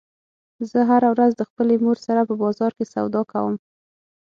زه هره ورځ د خپلې مور سره په بازار کې سودا کوم